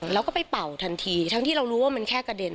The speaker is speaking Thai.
แล้วก็ไปเป่าทันทีทั้งที่เรารู้ว่ามันแค่กระเด็น